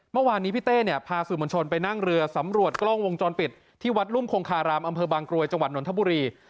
เมื่อวานนี้พี่เต้พาสื่อบรรชนไปนั่งเรือสำรวจกล้องวงจรปิดที่วัดลุ่มโครงคารามอบังกรวยจนธบุรี